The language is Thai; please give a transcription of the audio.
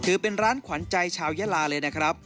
ถือเป็นร้านขวัญใจชาวยาลาเลยนะครับ